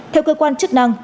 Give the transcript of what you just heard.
theo cơ quan chức năng